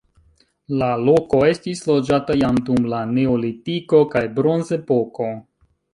La loko estis loĝata jam dum la neolitiko kaj bronzepoko.